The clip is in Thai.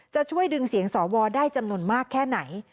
จะช่วยดึงเสียงสวได้จำนวนมากแค่ไหน